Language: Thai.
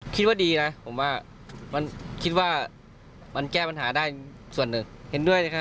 คิดว่าดีนะมันแก้ปัญหาได้ส่วนหนึ่งเห็นด้วยนะครับ